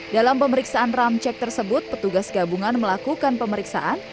dalam pemeriksaan ramcek tersebut petugas gabungan melakukan pemeriksaan